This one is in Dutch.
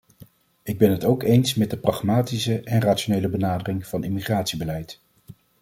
Ik ben het ook eens met de pragmatische en rationele benadering van immigratiebeleid.